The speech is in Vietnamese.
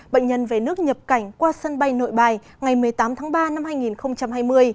bệnh nhân về nước nhập cảnh qua sân bay nội bài ngày một mươi tám tháng ba năm hai nghìn hai mươi